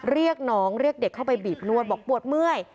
เรียกน้องเรียกเด็กเข้าไปบีบนวดบอกปวดเมื่อย